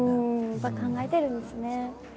やっぱ考えてるんですね。